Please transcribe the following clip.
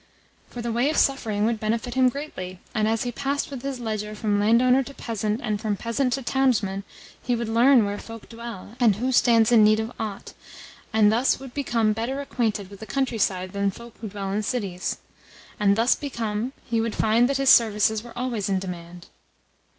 For the way of suffering would benefit him greatly; and as he passed with his ledger from landowner to peasant, and from peasant to townsman, he would learn where folk dwell, and who stands in need of aught, and thus would become better acquainted with the countryside than folk who dwell in cities. And, thus become, he would find that his services were always in demand.